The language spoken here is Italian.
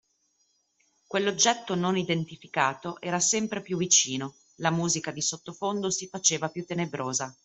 Quell’oggetto non identificato era sempre più vicino, la musica di sottofondo si faceva più tenebrosa